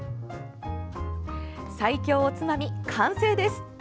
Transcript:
最強おつまみ、完成です。